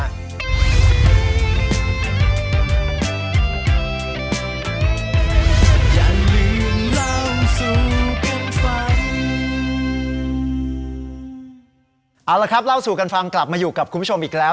เอาละครับเล่าสู่กันฟังกลับมาอยู่กับคุณผู้ชมอีกแล้ว